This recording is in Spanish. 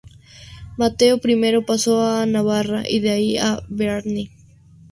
Mateo I pasó a Navarra y de ahí a Bearne.